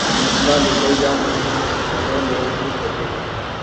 مسئلہ لبرل یا مذہبی ہو نے میں نہیں، رویے میں ہے۔